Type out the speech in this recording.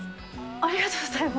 ありがとうございます。